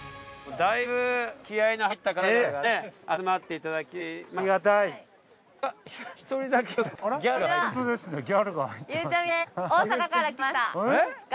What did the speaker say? だいぶ気合いの入った方々が集まっていただきましたが。